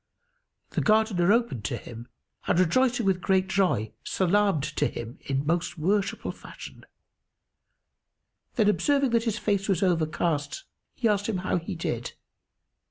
The Gardener opened to him and rejoicing with great joy salamed to him in most worshipful fashion; then, observing that his face was overcast, he asked him how he did.